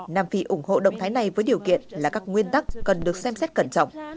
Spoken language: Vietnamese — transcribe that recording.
nam phi ủng hộ động thái này với điều kiện là các nguyên tắc cần được xem xét cẩn trọng